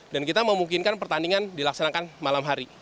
dan kita memungkinkan pertandingan dilaksanakan malam hari